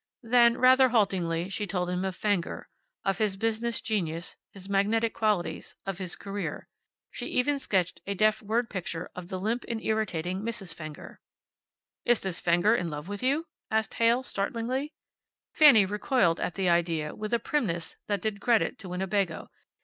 Then, rather haltingly, she told him of Fenger, of his business genius, his magnetic qualities, of his career. She even sketched a deft word picture of the limp and irritating Mrs. Fenger. "Is this Fenger in love with you?" asked Heyl, startlingly. Fanny recoiled at the idea with a primness that did credit to Winnebago.